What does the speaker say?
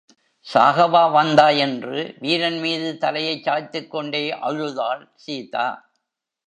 சாகவா வந்தாய்? என்று வீரன்மீது தலையைச் சாய்த்துக் கொண்டே அழுதாள் சீதா.